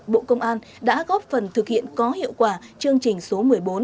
bộ công an đã góp phần thực hiện có hiệu quả chương trình số một mươi bốn